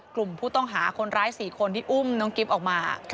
กลุ่มผู้ต้องหาคนร้าย๔คนที่อุ้มน้องกิ๊บออกมา